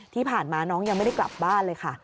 ที่ผ่านมาน้องยังไม่ได้กลับบ้านเลยค่ะ